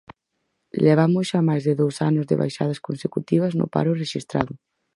Levamos xa máis de dous anos de baixadas consecutivas no paro rexistrado.